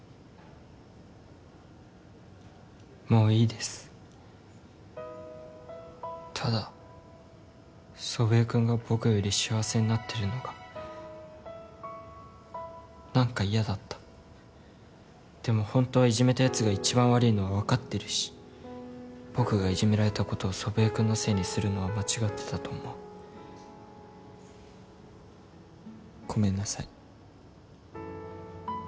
もういいですただ祖父江君が僕より幸せになってるのが何か嫌だったでも本当はいじめたヤツが一番悪いのは分かってるし僕がいじめられたことを祖父江君のせいにするのは間違ってたと思うごめんなさい